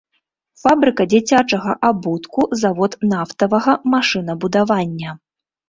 Фабрыка дзіцячага абутку, завод нафтавага машынабудавання.